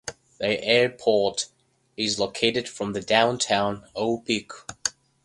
The airport is located from downtown Oiapoque.